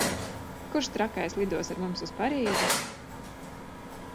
Kurš trakais lidos ar mums uz Parīzi?